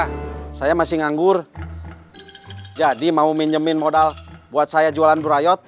halo ya saya masih nganggur jadi mau minjemin modal buat saya jualan durayot